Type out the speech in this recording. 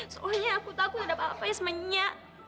soalnya aku takut ada apa apanya sama nya